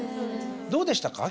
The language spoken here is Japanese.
どうでしたか？